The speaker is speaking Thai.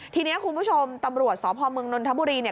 ทีนี้คุณผู้ชมตำรวจสอบภอมเมืองนนทบุรี